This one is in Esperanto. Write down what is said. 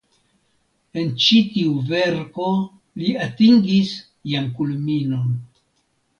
En ĉi tiu verko li atingis ian kulminon.